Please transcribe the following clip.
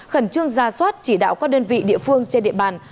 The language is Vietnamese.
khẩn trương ra soát chỉ đạo các đơn vị địa phương trên địa bàn